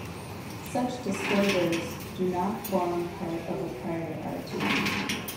Such disclosures do not form part of the prior art.